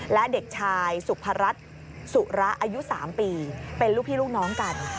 และเด็กชายสุพรัชสุระอายุ๓ปีเป็นลูกพี่ลูกน้องกัน